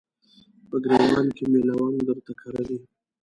په ګریوان کې مې لونګ درته کرلي